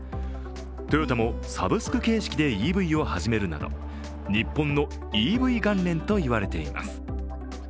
トヨタもサブスク形式をＥＶを始めるなど日本のＥＶ元年と言われています。